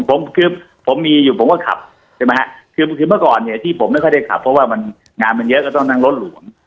ผมคือผมมีอยู่ผมก็ขับใช่ไหมฮะคือคือเมื่อก่อนเนี่ยที่ผมไม่ค่อยได้ขับเพราะว่ามันงานมันเยอะก็ต้องนั่งรถหลวง